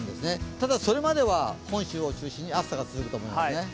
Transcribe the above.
ただそれまでは本州を中心に暑さが続くと思いますね。